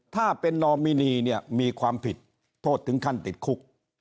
ถ้าเป็นนอมินีเนี่ยมีความผิดโทษถึงขั้นติดคุก